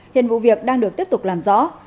hiện vụ việc đang được tiếp tục làm rõ